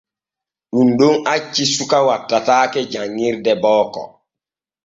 Ɗun ɗon acci suka wattataake janƞirde booko.